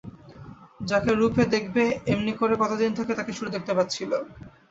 যাকে রূপে দেখবে এমনি করে কতদিন থেকে তাকে সুরে দেখতে পাচ্ছিল।